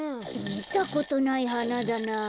みたことないはなだなあ。